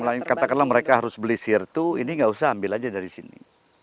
kalau katakanlah mereka harus beli sirtu ini nggak usah ambil aja dari sini